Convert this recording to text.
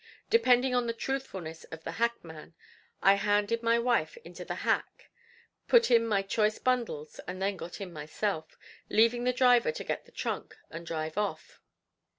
Depending on the truthfulness of the hackman, I handed my wife into the hack, put in my choice bundles, and then got in myself, leaving the driver to get the trunk and drive off.